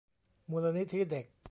มูลนิธิเด็ก